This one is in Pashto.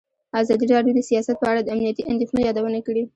ازادي راډیو د سیاست په اړه د امنیتي اندېښنو یادونه کړې.